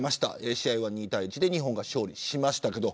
試合は２対１で日本が勝利しましたけど。